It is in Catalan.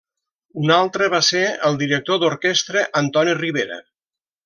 Un altre va ser el director d'orquestra Antoni Ribera.